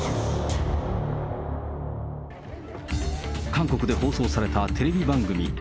韓国で放送されたテレビ番組。